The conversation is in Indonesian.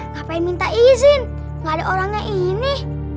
ngapain minta izin gak ada orangnya ini